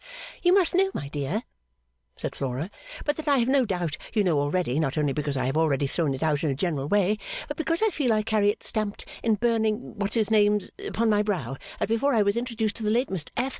'You must know my dear,' said Flora, 'but that I have no doubt you know already not only because I have already thrown it out in a general way but because I feel I carry it stamped in burning what's his names upon my brow that before I was introduced to the late Mr F.